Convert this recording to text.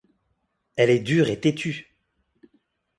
Elle est dure et têtue!